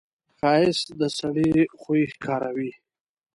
ښایست د سړي خوی ښکاروي